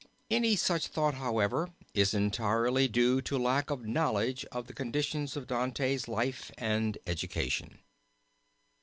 Any such thought however, is entirely due to lack of knowledge of the conditions of Dante's life and education.